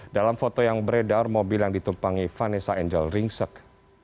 dalam foto yang beredar mobil yang ditumpangi vanessa angel ringsek